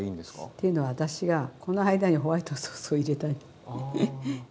っていうのは私がこの間にホワイトソースを入れたい。